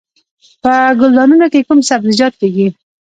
په ګلدانونو کې کوم سبزیجات کیږي؟